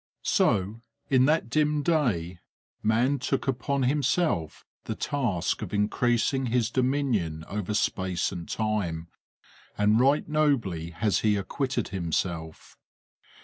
So, in that dim day, man took upon himself the task of increasing his dominion over space and time, and right nobly has he acquitted himself.